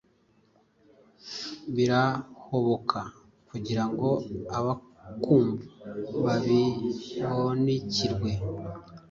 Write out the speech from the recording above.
birahoboka kugirango abakwumva babiobanukirwe